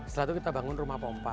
setelah itu kita bangun rumah pompa